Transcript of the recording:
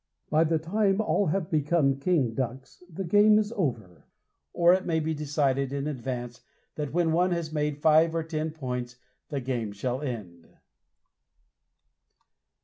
By the time all have become King Ducks the game is over, or it may be decided in advance that when one has made five or ten points, the game shall end.